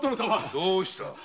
どうした？